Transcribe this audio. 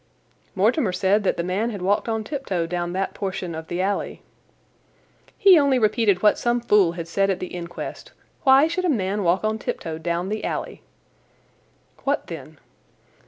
"Mortimer said that the man had walked on tiptoe down that portion of the alley." "He only repeated what some fool had said at the inquest. Why should a man walk on tiptoe down the alley?" "What then?"